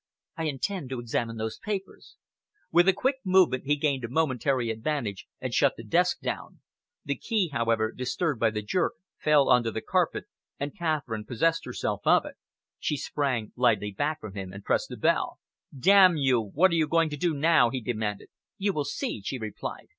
"I intend to examine those papers." With a quick movement he gained a momentary advantage and shut the desk down. The key, however, disturbed by the jerk, fell on to the carpet, and Catherine possessed herself of it. She sprang lightly back from him and pressed the bell. "D n you, what are you going to do now?" he demanded. "You will see," she replied.